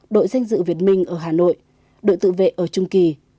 dự việt minh ở hà nội đội tự vệ ở trung kỳ